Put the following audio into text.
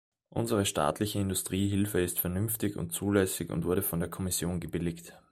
Unsere staatliche Industriehilfe ist vernünftig und zulässig und wurde von der Kommission gebilligt.